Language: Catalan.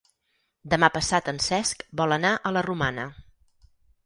Demà passat en Cesc vol anar a la Romana.